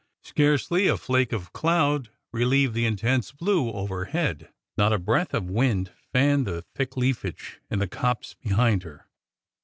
Scarcely a flake of cloud relieved the intense blue overhead; not a breath of wind fanned the thick leafage in the copse behind her.